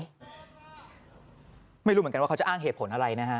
ไม่รู้เหมือนกันว่าเขาจะอ้างเหตุผลอะไรนะฮะ